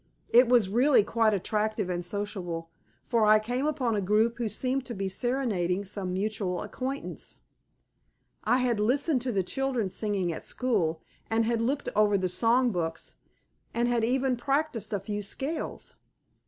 It was really quite attractive and sociable, for I came upon a group who seemed to be serenading some mutual acquaintance. I had listened to the children singing at school, and had looked over the song books, and had even practised a few scales.